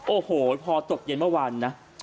โอ้โหพอตกเย็นเมื่อวานนะ